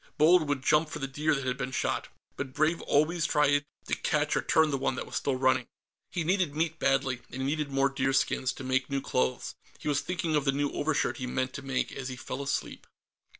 Bold would jump for the deer that had been shot, but Brave always tried to catch or turn the ones that were still running. He needed meat badly, and he needed more deerskins, to make new clothes. He was thinking of the new overshirt he meant to make as he fell asleep....